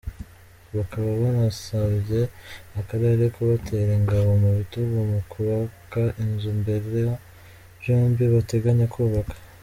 Bakaba banasabye akarere kubatera ingabo mu bitugu mu kubaka inzu mbera byombi bategenya kubaka.